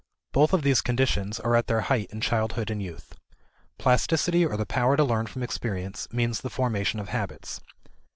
Both of these conditions are at their height in childhood and youth. Plasticity or the power to learn from experience means the formation of habits.